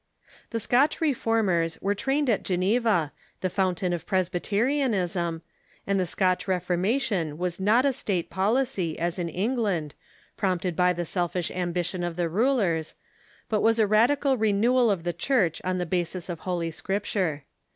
The Scotch Reformers were trained at Geneva, the fountain of Presbyterianism, and the Scotch Reformation Avas not a state policy, as in England, prompted by the selfish ambition of the rulers, but was a radical renewal of the Church on the basis of Holy Scripture.